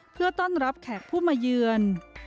เพื่อต้อนรับแขกผู้มาเยือน